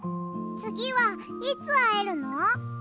つぎはいつあえるの？